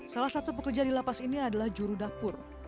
salah satu pekerja di lapas ini adalah jurudapur